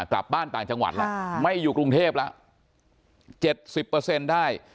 อ่ากลับบ้านต่างจังหวัดแล้วค่ะไม่อยู่กรุงเทพฯแล้วเจ็ดสิบเปอร์เซ็นต์ได้